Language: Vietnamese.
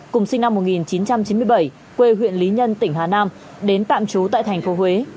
cùng sinh năm một nghìn chín trăm chín mươi bảy quê huyện lý nhân tỉnh hà nam đến tạm trú tại thành phố huế